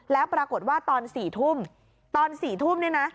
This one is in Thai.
แล้วปรากฏว่าตอน๔ทุ่มตอน๔ทุ่มเนี่ยนะ